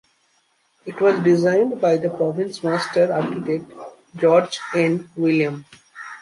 It was designed by the province's master architect George N. William.